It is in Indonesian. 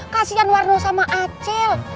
kasian warno sama acil